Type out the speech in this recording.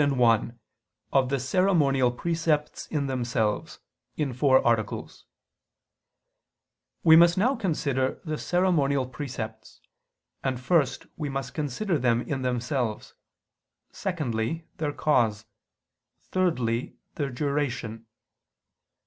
________________________ QUESTION 101 OF THE CEREMONIAL PRECEPTS IN THEMSELVES (In Four Articles) We must now consider the ceremonial precepts: and first we must consider them in themselves; secondly, their cause; thirdly, their duration.